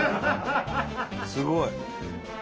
すごい。